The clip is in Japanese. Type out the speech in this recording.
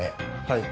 はい。